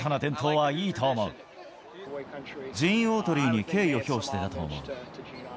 ジーン・オートリーに敬意を表してだと思う。